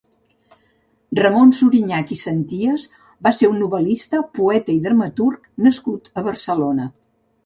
Ramon Suriñach i Senties va ser un novel·lista, poeta i dramaturg nascut a Barcelona.